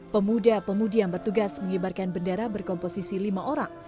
pemuda pemudi yang bertugas mengibarkan bendera berkomposisi lima orang